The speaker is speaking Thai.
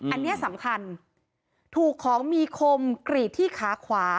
อันนี้สำคัญถูกของมีคมกรีดที่ขาขวา